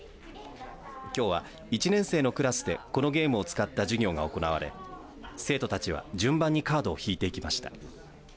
きょうは１年生のクラスでこのゲームを使った授業が行われ生徒たちは順番にカードを引いていきました。